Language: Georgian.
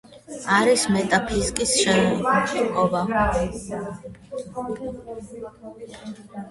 არის მეტაფიზიკის განშტოება.